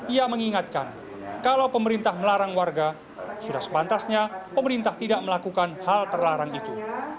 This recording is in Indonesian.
ia mengingatkan kalau pemerintah melarang warga sudah sepantasnya pemerintah tidak melakukan hal terlarang itu